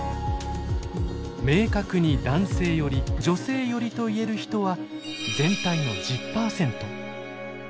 明確に男性寄り女性寄りと言える人は全体の１０％。